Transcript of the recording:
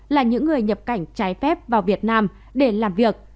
là những người nhập cảnh trái phép vào việt nam để làm việc